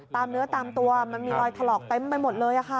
เนื้อตามตัวมันมีรอยถลอกเต็มไปหมดเลยค่ะ